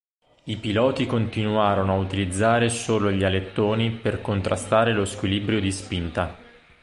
I piloti continuarono a utilizzare solo gli alettoni per contrastare lo squilibrio di spinta.